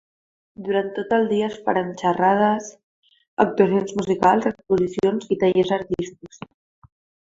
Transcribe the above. Durant tot el dia es faran xerrades, actuacions musicals, exposicions i tallers artístics.